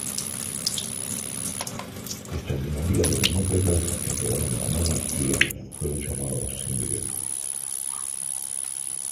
Esta minoría de demócratas que aprobaron la monarquía fueron llamados "cimbrios".